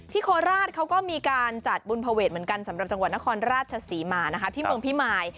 โคราชเขาก็มีการจัดบุญภเวทเหมือนกันสำหรับจังหวัดนครราชศรีมานะคะที่เมืองพิมาย